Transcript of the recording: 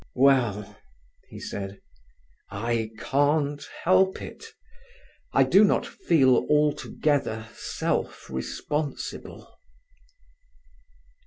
"Well," he said, "I can't help it. I do not feel altogether self responsible."